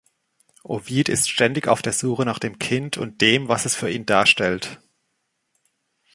Ovid ist ständig auf der Suche nach dem Kind und dem, was es für ihn darstellt.